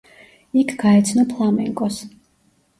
იქ გაეცნო ფლამენკოს.